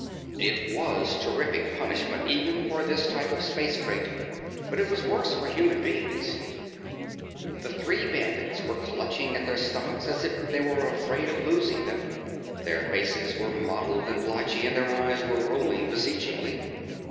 It was terrific punishment even for this type of space crate but it was worse for human beings. The three bandits were clutching at their stomachs as if they were afraid of losing them. Their faces were mottled and blotchy and their eyes were rolling beseechingly.